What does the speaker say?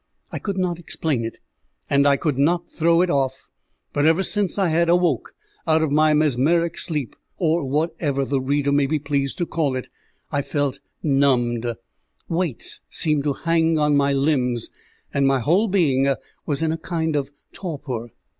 I could not explain it, and I could not throw it off, but ever since I had awoke out of my mesmeric sleep, or whatever the reader may be pleased to call it, I felt numbed; weights seemed to hang on my limbs, and my whole being was in a kind of torpor.